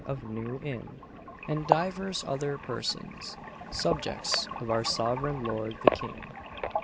of New Inn, and divers other persons subjects of our Sovereign Lord the King.